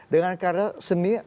dengan karya seni yang lain